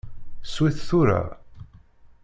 Sew-it tura!